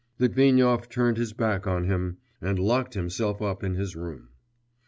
Litvinov turned his back on him, and locked himself up in his room.